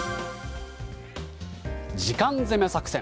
時間攻め作戦。